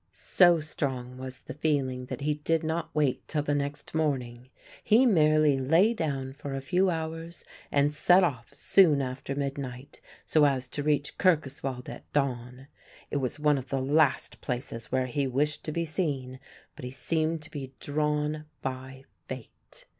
So strong was the feeling that he did not wait till the next morning. He merely lay down for a few hours and set off soon after midnight, so as to reach Kirkoswald at dawn. It was one of the last places where he wished to be seen, but he seemed to be drawn by fate.